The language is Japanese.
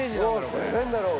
これなんだろう？